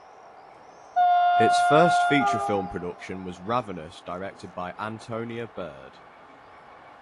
Its first feature film production was "Ravenous", directed by Antonia Bird.